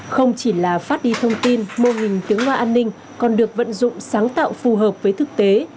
không chỉ là phát đi thông tin mô hình tiếng loa an ninh còn được vận dụng sáng tạo phù hợp với thực tế